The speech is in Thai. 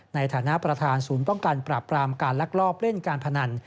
ในฐานะประธานศูนย์ป้องกันปราบปรามการลักลอบเล่นการพนัน